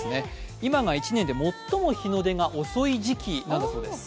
今が一年で最も日の出が遅い時期なんだそうです。